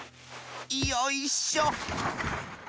よいしょ！